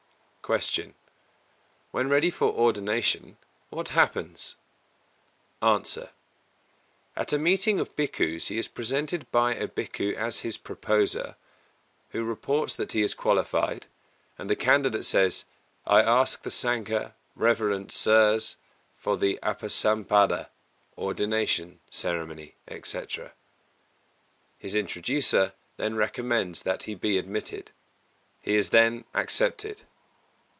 265. Q. When ready for ordination what happens? A. At a meeting of Bhikkhus he is presented by a Bhikkhu as his proposer, who reports that he is qualified, and the candidate says: "I ask the Sangha, Reverend Sirs, for the Upasampada (ordination) ceremony, etc." His introducer then recommends that he be admitted. He is then accepted.